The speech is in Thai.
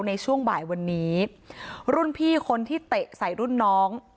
ในช่วงบ่ายวันนี้รุ่นพี่คนที่เตะใส่รุ่นน้อง